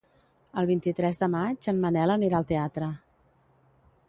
El vint-i-tres de maig en Manel anirà al teatre.